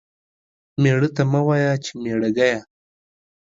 ميړه ته مه وايه چې ميړه گيه.